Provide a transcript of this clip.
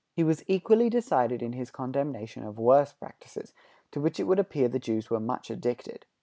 " He was equally decided in his condemnation of worse practices, to which it would appear the Jews were much addicted.